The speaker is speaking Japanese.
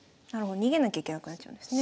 逃げなきゃいけなくなっちゃうんですね。